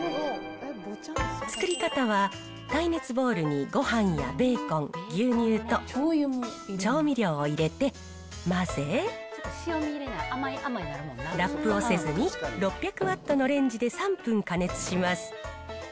作り方は、耐熱ボウルにごはんやベーコン、牛乳と、調味料を入れて、混ぜ、ラップをせずに６００ワットのレンジで３分加熱します。